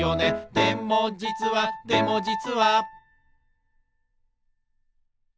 「でもじつはでもじつは」